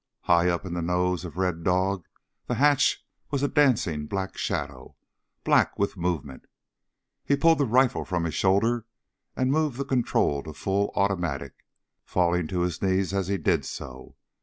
High up in the nose of Red Dog the hatch was a dancing black shadow black with movement. He pulled the rifle from his shoulder and moved the control to full automatic, falling to his knees as he did so.